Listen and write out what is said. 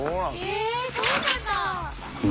へえそうなんだ。